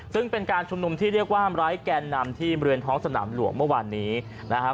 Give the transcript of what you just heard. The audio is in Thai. ซึ่งเป็นการชุมนุมที่เรียกว่าร้ายแกนนำที่บริเวณท้องสนามหลวงเมื่อวานนี้นะครับ